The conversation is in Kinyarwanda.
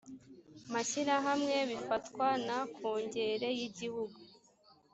mashyirahamwe bifatwa na kongere y igihugu